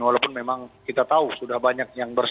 walaupun memang kita tahu sudah banyak yang bersangkutan